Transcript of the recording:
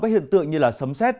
các hiện tượng như là sấm xét